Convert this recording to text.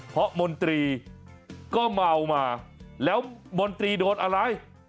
เพราะมนตรีก็เมามาแล้วมนตรีโดนอะไร